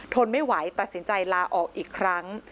ทนไม่ไหวตัดสินใจลาออกอีกครั้ง